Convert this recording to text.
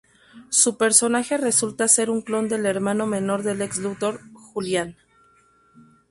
Su personaje resulta ser un clon del hermano menor de Lex Luthor, Julian.